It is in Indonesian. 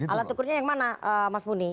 alat ukurnya yang mana mas muni